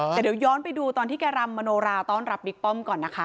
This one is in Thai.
แต่เดี๋ยวย้อนไปดูตอนที่แกรำมโนราต้อนรับบิ๊กป้อมก่อนนะคะ